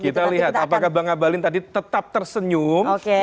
kita lihat apakah bang abalin tadi tetap tersenyum